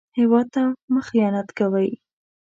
هېواد ته مه خيانت کوئ